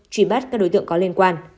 truy bắt các đối tượng có liên quan